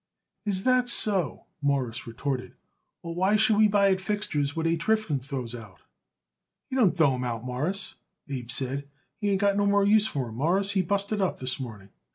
"Is that so?" Morris retorted. "Well, why should we buy it fixtures what H. Rifkin throws out?" "He don't throw 'em out, Mawruss," Abe said. "He ain't got no more use for 'em, Mawruss. He busted up this morning."